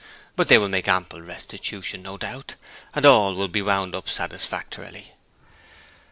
But they will make ample restitution, no doubt: and all will be wound up satisfactorily.'